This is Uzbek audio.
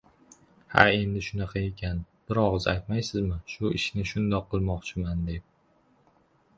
— Ha, endi shunaqa ekan, bir og‘iz aytmaysizmi, shu ishni shundoq qilmoqchiman, deb.